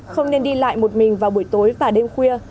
không nên đi lại một mình vào buổi tối và đêm khuya